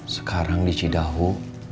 sekarang di cidaho